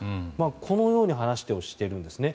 このように話をしているんですね。